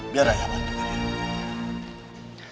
biar ayah bantu kalian